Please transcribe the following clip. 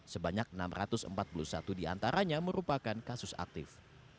sebanyak enam ratus empat puluh satu diantaranya merupakan kasus aktif